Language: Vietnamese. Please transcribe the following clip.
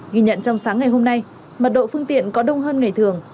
ghi nhận trong sáng ngày hôm nay mật độ phương tiện có đông hơn ngày thường